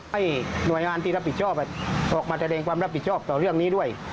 ให้หน่วยงานที่รับผิดชอบออกมาแสดงความรับผิดชอบต่อเรื่องนี้ด้วย